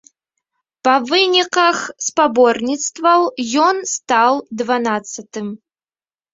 Па выніках спаборніцтваў ён стаў дванаццатым.